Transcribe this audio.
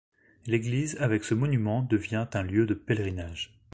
L'église avec ce monument devient un lieu de pèlerinage.